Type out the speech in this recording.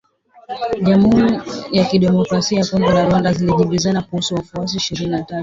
Jamhuri ya Kidemokrasia ya Kongo na Rwanda zajibizana kuhusu waasi ishirini na tatu